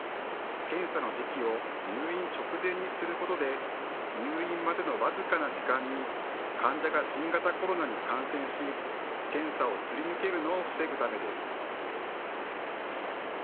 検査の時期を入院直前にすることで入院までの僅かな時間に患者が新型コロナに感染し検査をすり抜けるのを防ぐためです。